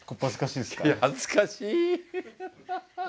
いや恥ずかしい。